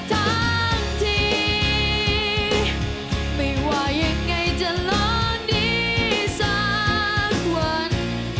ทั้งทีไม่ว่ายังไงจะรอดีสักวัน